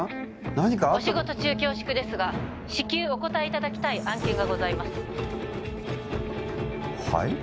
何か☎お仕事中恐縮ですが☎至急お答えいただきたい案件がございますはい？